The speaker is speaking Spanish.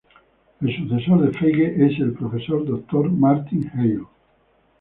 El sucesor de "Feige" es el profesor Dr. Martin Heil.